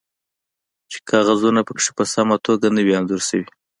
چې کاغذونه پکې په سمه توګه نه وي انځور شوي